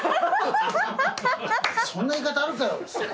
そんな言い方あるかよっつって。